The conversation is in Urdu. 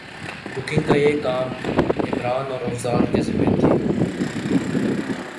بکنگ کا یہ کام عمران اور افضال کے ذمے تھے